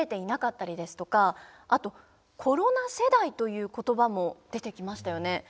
あとコロナ世代という言葉も出てきましたよね。